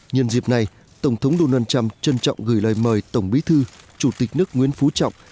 nhân dịp này tổng thống donald trump trân trọng gửi lời mời tổng bí thư chủ tịch nước nguyễn phú trọng